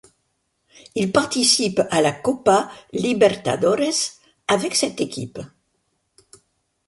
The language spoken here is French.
Il participe à la Copa Libertadores avec cette équipe.